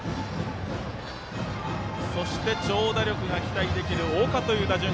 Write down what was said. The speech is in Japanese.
そして、長打力が期待できる岡という打順。